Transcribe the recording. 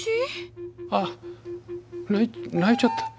あっ泣いちゃった。